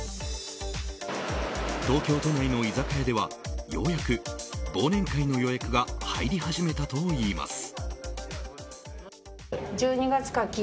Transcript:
東京都内の居酒屋ではようやく忘年会の予約が入り始めたといいます。